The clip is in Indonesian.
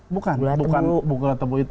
bukan bukan dulu gula tebu itu